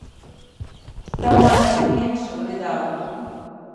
Таму адразу кленчыў і рыдаў!